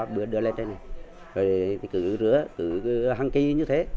bữa đưa lên trên này rồi cứ rửa cứ hăng kì như thế